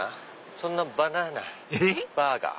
「そんなバナナ⁉バーガー」。